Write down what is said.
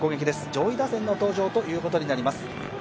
上位打線の登場ということになります。